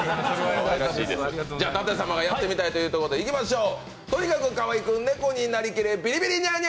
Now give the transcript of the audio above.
じゃあ、舘様がやってみたいということでいきましょう。